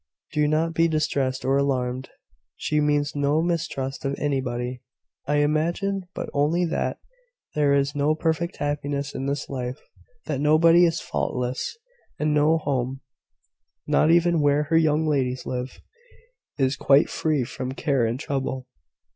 Do not be distressed or alarmed. She means no mistrust of anybody, I imagine; but only that there is no perfect happiness in this life, that nobody is faultless; and no home, not even where her young ladies live, is quite free from care and trouble.